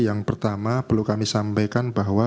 yang pertama perlu kami sampaikan bahwa